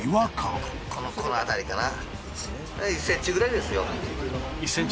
この辺りかな。